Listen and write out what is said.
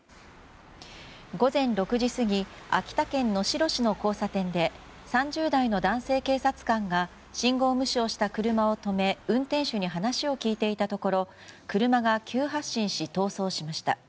午前６時過ぎ秋田県能代市の交差点で３０代の男性警察官が信号無視をした車を止め運転手に話を聞いていたところ車が急発進し逃走しました。